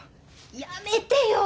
やめてよ。